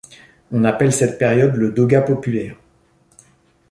On appelle cette période le dogat populaire.